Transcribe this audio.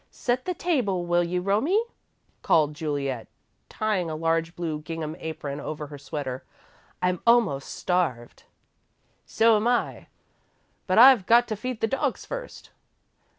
"Set the table, will you, Romie?" called Juliet, tying a large blue gingham apron over her sweater. "I'm almost starved." "So'm I, but I've got to feed the dogs first."